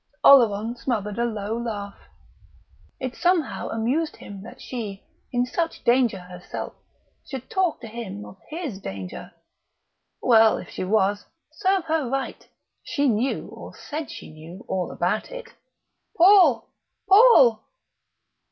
Oleron smothered a low laugh. It somehow amused him that she, in such danger herself, should talk to him of his danger!... Well, if she was, serve her right; she knew, or said she knew, all about it.... "Paul!... Paul!..."